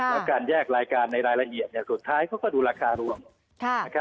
แล้วการแยกรายการในรายละเอียดสุดท้ายเขาก็ดูราคารวม